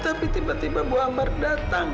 tapi tiba tiba bu amar datang